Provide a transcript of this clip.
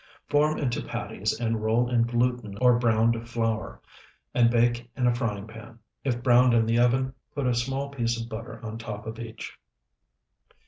Form into patties, and roll in gluten or browned flour, and bake in a frying pan. If browned in the oven, put a small piece of butter on top of each.